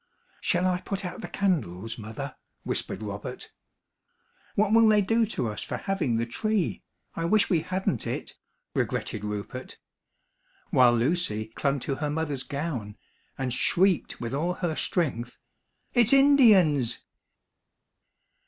"Shall I put out the candles, mother?" whispered Robert. "What will they do to us for having the tree? I wish we hadn't it," regretted Rupert; while Lucy clung to her mother's gown and shrieked with all her strength, "It's Indians!"